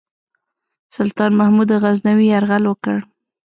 سلطان محمود غزنوي یرغل وکړ.